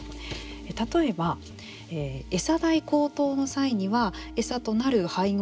例えば、エサ代高騰の際にはエサとなる配合